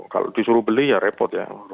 kalau disuruh beli ya repot ya